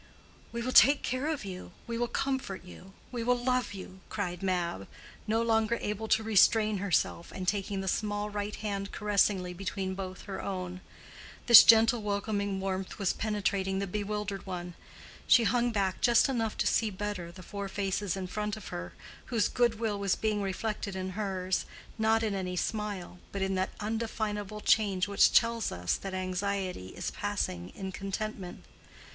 "We will take care of you—we will comfort you—we will love you," cried Mab, no longer able to restrain herself, and taking the small right hand caressingly between both her own. This gentle welcoming warmth was penetrating the bewildered one: she hung back just enough to see better the four faces in front of her, whose good will was being reflected in hers, not in any smile, but in that undefinable change which tells us that anxiety is passing in contentment.